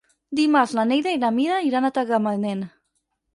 Dimarts na Neida i na Mira iran a Tagamanent.